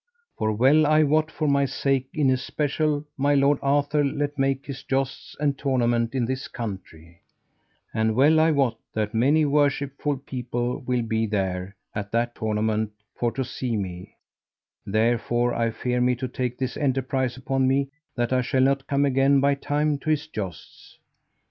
For well I wot for my sake in especial my lord Arthur let make this jousts and tournament in this country; and well I wot that many worshipful people will be there at that tournament for to see me; therefore I fear me to take this enterprise upon me that I shall not come again by time to this jousts.